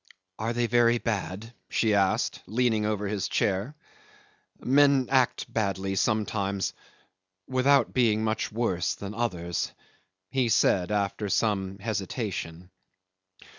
"Are they very bad?" she asked, leaning over his chair. "Men act badly sometimes without being much worse than others," he said after some hesitation.